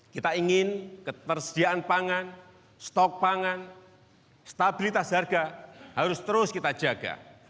kita ingin ketersediaan pangan stok pangan stabilitas harga harus terus kita jaga